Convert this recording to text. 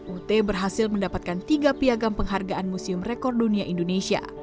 ut berhasil mendapatkan tiga piagam penghargaan museum rekor dunia indonesia